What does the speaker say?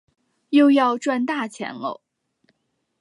又要赚大钱啰